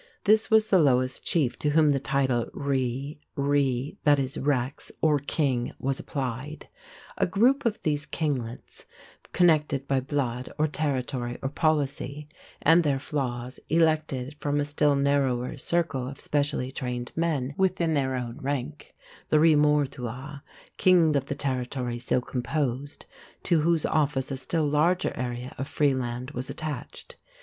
This was the lowest chief to whom the title ri, righ (both pr. ree) = rex, or "king", was applied. A group of these kinglets connected by blood or territory or policy, and their flaiths, elected, from a still narrower circle of specially trained men within their own rank, the ri mor tuatha king of the territory so composed, to whose office a still larger area of free land was attached.